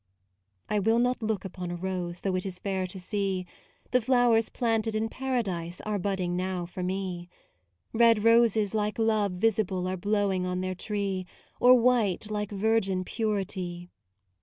I will not look upon a rose, Though it is fair to see, The flowers planted in Paradise Are budding now for me. Red roses like love visible Are blowing on their tree, Or white like virgin purity.